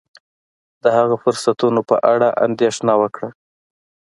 د هغه فرصتونو په اړه اندېښنه وکړه.